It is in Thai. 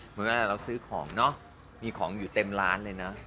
เหมือนว่าเราซื้อของเนอะมีของอยู่เต็มร้านเลยนะ